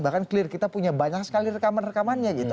bahkan clear kita punya banyak sekali rekaman rekamannya gitu